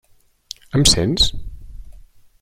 Em sents?